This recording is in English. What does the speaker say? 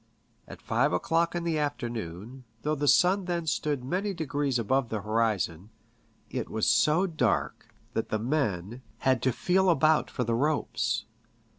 At five o'clock in the afternoon, though the sun then stood many degrees above the horizon, it was so dark that the men had to CO PICTURES AT SEA. feel about for the ropes.